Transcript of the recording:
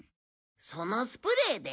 そのスプレーで？